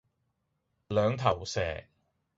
兩頭蛇